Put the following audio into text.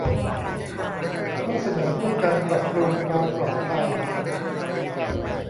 ข้อเสนอเพื่อการปรับปรุงความปลอดภัย